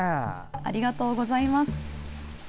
ありがとうございます。